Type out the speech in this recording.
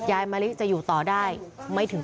อาการชัดเลยนะคะหมอปลา